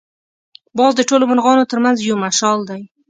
باز د ټولو مرغانو تر منځ یو مشال دی